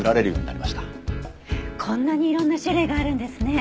こんなにいろんな種類があるんですね。